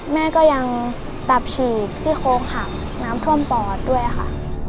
แม่ก็ยังตับฉีกซี่โค้งหักน้ำท่วมปอดด้วยค่ะ